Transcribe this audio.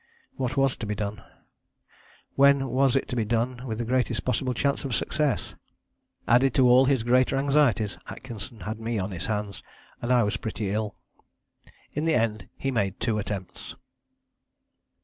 What was to be done? When was it to be done with the greatest possible chance of success? Added to all his greater anxieties Atkinson had me on his hands and I was pretty ill. In the end he made two attempts.